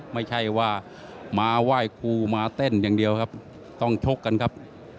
ไม่ใช่ว่ามาไหว้ครูมาเต้นอย่างเดียวครับต้องชกกันครับ